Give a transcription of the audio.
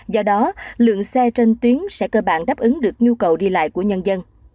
do đó lượng xe trên tuyến sẽ cơ bản đáp ứng được nhu cầu đi lại của nhân dân